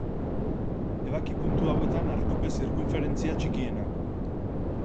Ebaki puntu hauetan arkupe zirkunferentzia txikiena.